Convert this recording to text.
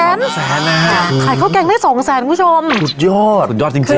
แสนนะฮะขายข้าวแกงได้สองแสนคุณผู้ชมสุดยอดสุดยอดจริงจริง